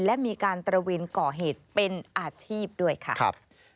และมีการตระเวนก่อเหตุเป็นอาชีพด้วยค่ะ